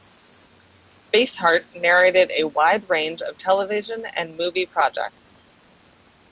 Basehart narrated a wide range of television and movie projects.